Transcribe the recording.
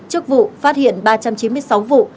trước vụ phát hiện ba trăm chín mươi sáu vụ